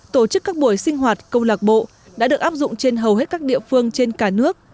tổ chức các buổi sinh hoạt câu lạc bộ đã được áp dụng trên hầu hết các địa phương trên cả nước